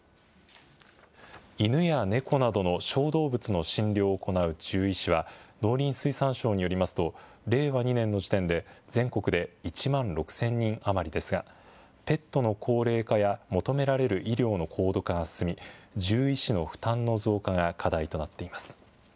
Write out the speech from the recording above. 犬や猫などの小動物の診療を行う獣医師は農林水産省によりますと、令和２年の時点で全国で１万６０００人余りですが、ペットの高齢化や、求められる医療の高度化が進み、獣医師の負担の増加が課題となっています。